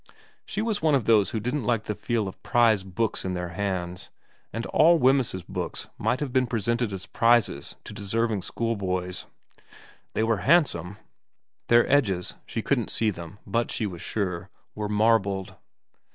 She was of those who don't like the feel of prize books in their hands, and all Wemyss's books might have been presented as prizes to deserving schoolboys. They were handsome ; their edges she couldn't see them, but she was sure were marbled.